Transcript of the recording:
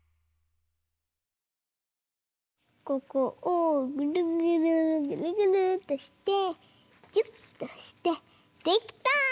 ここをぐるぐるぐるぐるっとしてぎゅっとしてできた！